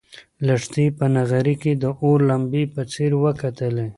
لښتې په نغري کې د اور لمبې په ځیر وکتلې.